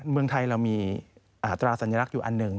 เมืองไทยเรามีอัตราสัญลักษณ์อยู่อันหนึ่ง